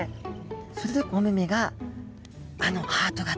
それでお目目があのハート型。